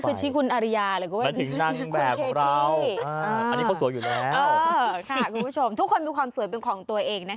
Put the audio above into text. ค่ะคุณผู้ชมทุกคนมีความสวยเป็นของตัวเองนะคะ